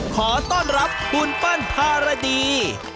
ขอต้อนรับบุญปั้นภารดี